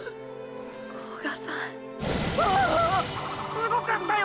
すごかったよ